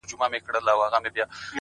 عاجزي ستر شخصیت نور هم ښکلی کوي.!